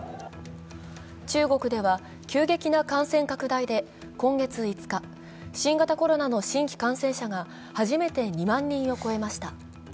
中国では急激な感染拡大で今月５日新型コロナの新規感染者が初めて２万人を超えました。